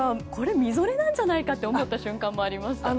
みぞれなんじゃないかと思った瞬間もありました。